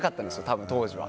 多分、当時は。